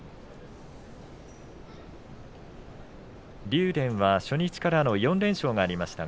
竜電は初日からの４連勝がありました。